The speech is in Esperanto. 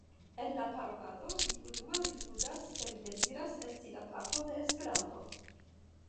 En la parolado li unue rifuzas, ke li deziras esti la Papo de Esperanto.